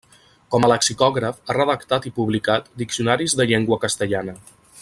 Com a lexicògraf ha redactat i publicat diccionaris de llengua castellana.